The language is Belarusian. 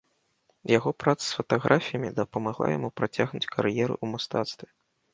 Яго праца з фатаграфіямі дапамагла яму працягнуць кар'еру ў мастацтве.